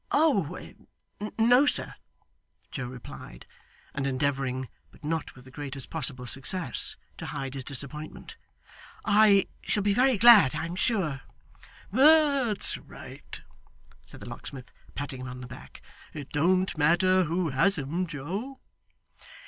'Oh no, sir,' Joe replied, and endeavouring, but not with the greatest possible success, to hide his disappointment. 'I shall be very glad, I'm sure.' 'That's right,' said the locksmith, patting him on the back. 'It don't matter who has 'em, Joe?